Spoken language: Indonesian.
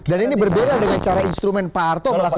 dan ini berbeda dengan cara instrumen pak arto melakukan